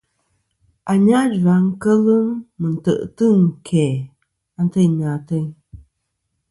Anyajua kel mɨ tè'tɨ ɨn kæ anteynɨ ateyn.